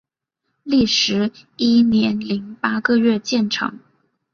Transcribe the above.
历时一年零八个月建成。